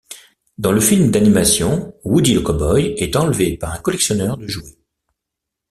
Dans le film d'animation, Woody le cow-boy est enlevé par un collectionneur de jouets.